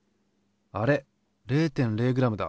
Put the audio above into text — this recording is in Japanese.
あれ０．０ｇだ。